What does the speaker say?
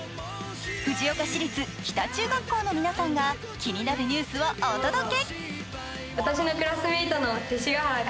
藤岡市立北中学校の皆さんが気になるニュースをお届け。